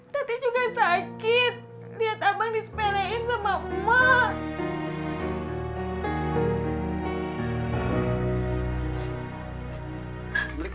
tati juga sakit liat abang disepelein sama emak